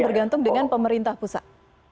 tergantung dengan pemerintah pusat